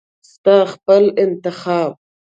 ستا خپل انتخاب .